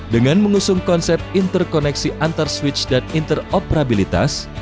dengan mengusung konsep interkoneksi antarswitch dan interoperabilitas